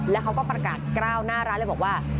แล้วเขาก็ประกาศกล้าวหน้าร้านเลยบอกว่า